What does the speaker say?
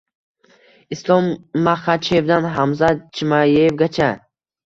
Islom Maxachevdan Hamzat Chimayevgacha